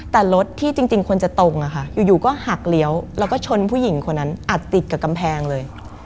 แต่รถที่จริงควรจะตรงอยู่ก็หักเลี้ยวแล้วก็ชนผู้หญิงคนนั้นอัดติดกับกำแพงเลย